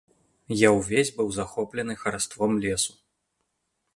Я ўвесь быў захоплены хараством лесу.